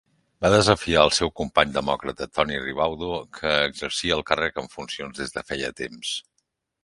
Va desafiar el seu company demòcrata Tony Ribaudo, que exercia el càrrec en funcions des de feia temps.